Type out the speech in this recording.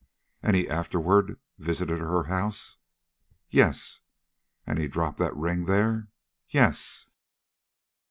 "And he afterward visited her house?" "Yes." "And dropped that ring there?" "Yes."